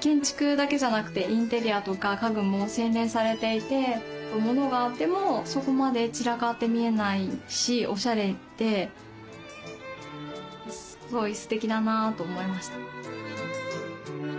建築だけじゃなくてインテリアとか家具も洗練されていてモノがあってもそこまで散らかって見えないしおしゃれですごいすてきだなと思いました。